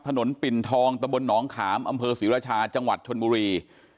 ปิ่นทองตะบนหนองขามอำเภอศรีราชาจังหวัดชนบุรี